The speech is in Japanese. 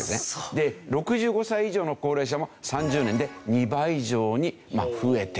で６５歳以上の高齢者も３０年で２倍以上に増えていると。